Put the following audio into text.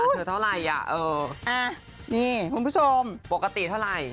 เธอเท่าไหร่อ่ะเออนี่คุณผู้ชมปกติเท่าไหร่